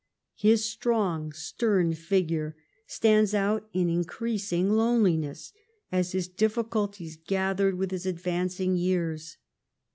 His strong stern figure stands out in increasing loneliness, as his difficulties gathered with his advancing years.